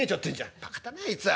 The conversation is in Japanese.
「バカだねあいつは」。